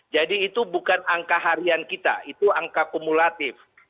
jadi itu bukan angka harian kita itu angka kumulatif